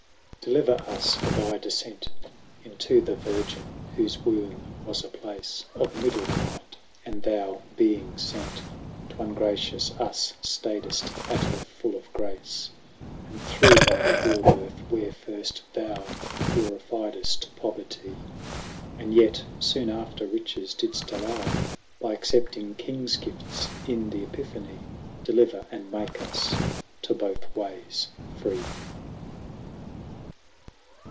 Deliver us for thy defcent Into the Virgin, whofe wombe was a place 155 Of middle kind ; and thou being fent To'ungratious us, ftaid'ft at her full of grace; And through thy poore birth, where firft thou Glorifiedft Povertie, And yet foone after riches didft allow, 160 By accepting Kings gifts in the Epiphanie, Deliver, and make us, to both waies free.